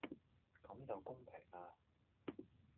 咁就公平呀